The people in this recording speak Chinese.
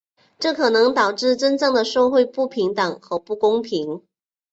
这可能导致真正的社会不平等和不公正。